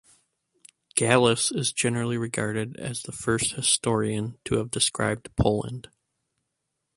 "Gallus" is generally regarded as the first historian to have described Poland.